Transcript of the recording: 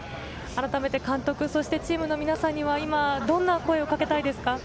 監督、そしてチームの皆さんにどんな声をかけたいですか？